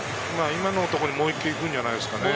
今のところにもう一球行くんじゃないでしょうかね。